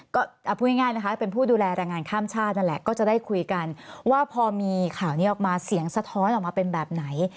ก็เอาพูดง่ายนะคะเป็นผู้ดูแลแรงงานข้ามชาตินั่นแหละก็จะได้คุยกันว่าพอมีข่าวนี้ออกมาเสียงสะท้อนออกมาเป็นแบบไหน